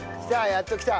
やっときた！